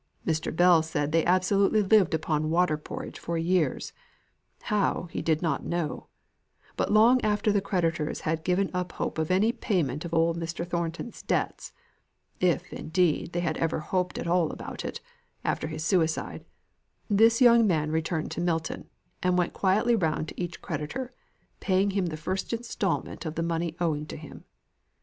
Mr. Bell said they absolutely lived upon water porridge for years how, he did not know; but long after the creditors had given up hope of any payment of old Mr. Thornton's debts (if, indeed, they ever had hoped at all about it, after his suicide), this young man returned to Milton, and went quietly round to each creditor, paying him the first instalment of the money owing to him.